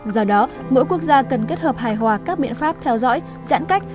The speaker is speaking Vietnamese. do đó mỗi quốc gia cần kết hợp hài hòa các biện pháp theo dõi giãn cách